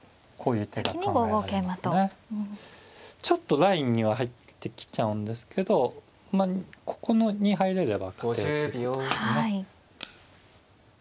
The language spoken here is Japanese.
ちょっとラインには入ってきちゃうんですけどここに入れれば勝てるということですね。